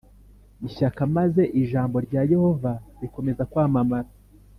ishyaka maze ijambo rya Yehova rikomeza kwamamara